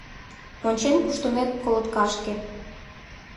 Ончен куштымек, колоткашке